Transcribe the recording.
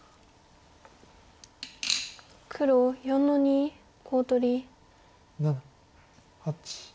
黒４の二コウ取り。